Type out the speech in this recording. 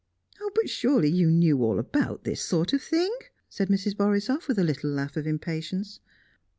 "But surely you knew all about this sort of thing!" said Mrs. Borisoff, with a little laugh of impatience.